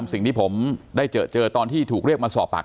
ไม่มีไม่มีไม่มีไม่มี